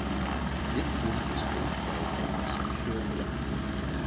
Dit punt is volgens mij van essentieel belang.